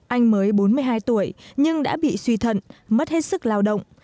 anh mới bốn mươi hai tuổi nhưng đã bị suy thận mất hết sức lao động